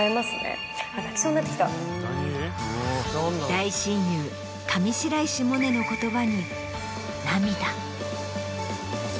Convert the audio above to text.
大親友上白石萌音の言葉に。